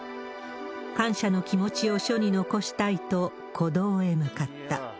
感謝の気持ちを書に残したいと、古道へ向かった。